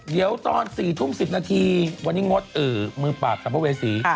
เดี๋ยวตอน๔ทุ่ม๑๐นาทีวันนี้งดมือปราบสัมภเวษี